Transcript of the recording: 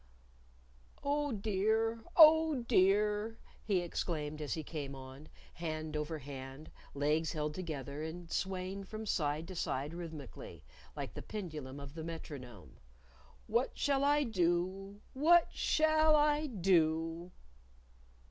"Oh, dear! Oh, dear!" he exclaimed as he came on hand over hand, legs held together, and swaying from side to side rhythmically, like the pendulum of the metronome. "What shall I do! What shall I do!"